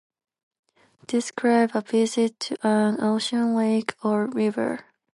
Describe a visit to an ocean, lake or river.